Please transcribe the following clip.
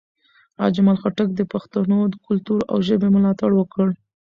اجمل خټک د پښتنو کلتور او ژبې ملاتړ وکړ.